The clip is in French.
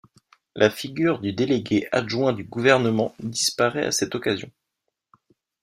La figure du délégué adjoint du gouvernement disparaît à cette occasion.